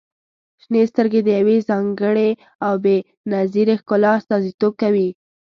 • شنې سترګې د يوې ځانګړې او بې نظیرې ښکلا استازیتوب کوي.